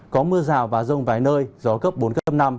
có mưa rào và rông vài nơi gió cấp bốn cấp năm